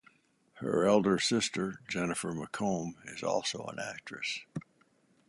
Her elder sister, Jennifer McComb, is also an actress.